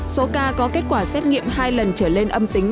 số ca có kết quả xét nghiệm hai lần trở lên âm tính